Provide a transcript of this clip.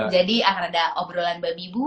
jadi akan ada obrolan babi bu